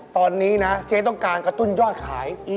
ตอนนี้นะเจ๊ต้องการกระตุ้นยอดขาย